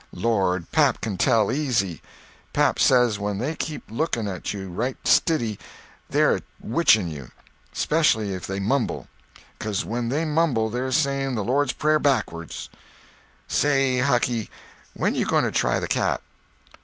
"Lord, pap can tell, easy. Pap says when they keep looking at you right stiddy, they're a witching you. Specially if they mumble. Becuz when they mumble they're saying the Lord's Prayer backards." "Say, Hucky, when you going to try the cat?"